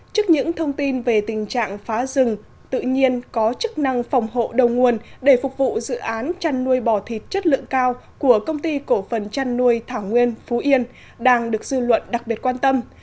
trước những thông tin về tình trạng phá rừng tự nhiên có chức năng phòng hộ đầu nguồn để phục vụ dự án chăn nuôi bò thịt chất lượng cao của công ty cổ phần chăn nuôi thảo nguyên phú yên đang được dư luận đặc biệt quan tâm